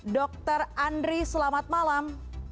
dr andri selamat malam